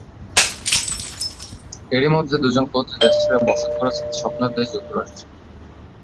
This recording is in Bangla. এরই মধ্যে দুজন কোচ দেশ ছেড়ে বসত গড়েছেন স্বপ্নের দেশ যুক্তরাষ্ট্রে।